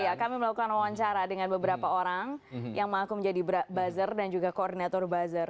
iya kami melakukan wawancara dengan beberapa orang yang mengaku menjadi buzzer dan juga koordinator buzzer